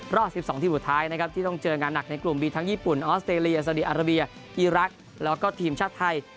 รอบ๑๒ทีมสุดท้ายนะครับที่ต้องเจองานหนักในกลุ่มมีทั้งญี่ปุ่นออสเตรเลียซาดีอาราเบียอีรักษ์แล้วก็ทีมชาติไทย